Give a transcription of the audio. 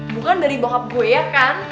bukan dari bahab gue ya kan